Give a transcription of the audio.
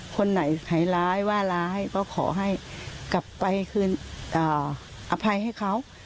คนไหนหายร้ายว่าร้ายก็ขอให้กลับไปคืนอภัยให้เขา